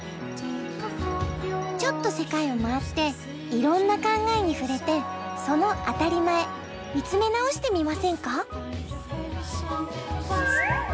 ちょっと世界を回っていろんな考えに触れてその当たり前見つめ直してみませんか？